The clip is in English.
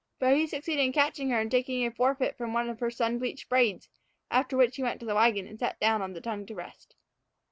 But he succeeded in catching her and taking a forfeit from one of her sun bleached braids, after which he went to the wagon and sat down on the tongue to rest.